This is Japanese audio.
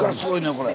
これ。